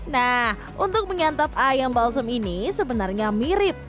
nah untuk mengantap ayam balsam ini sebenarnya mirip